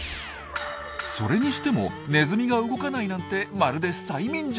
それにしてもネズミが動かないなんてまるで催眠術。